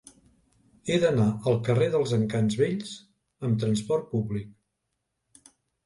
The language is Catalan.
He d'anar al carrer dels Encants Vells amb trasport públic.